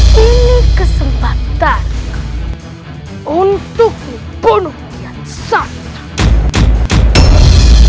dan ada kesempatan untuk membunuh kian santang